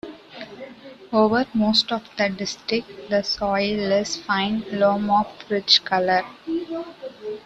Over most of the district, the soil is fine loam of rich colour.